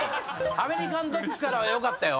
「アメリカンドッグ」からは良かったよ。